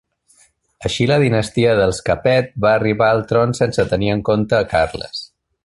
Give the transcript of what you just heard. Així la dinastia dels Capet va arribar al tron sense tenir en compte a Carles.